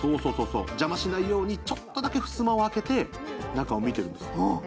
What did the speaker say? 邪魔しないように、ちょっとだけふすまを開けて中を見ているんですよ。